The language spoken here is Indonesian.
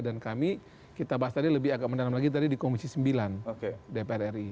dan kami kita bahas tadi lebih agak mendalam lagi tadi di komisi sembilan dpr ri